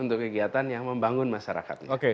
untuk kegiatan yang membangun masyarakat